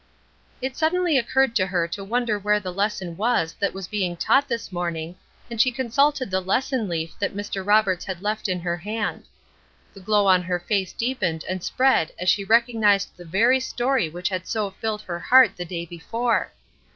It suddenly occurred to her to wonder where the lesson was that was being taught this morning, and she consulted the lesson leaf that Mr. Roberts had left in her hand. The glow on her face deepened and spread as she recognized the very story which had so filled her heart the day before!